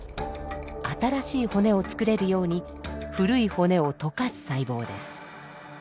新しい骨を作れるように古い骨を溶かす細胞です。